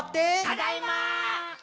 「ただいま！」